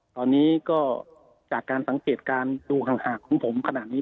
ตอนนี้ก็จากการสังเกตการณ์ดูห่างของผมขนาดนี้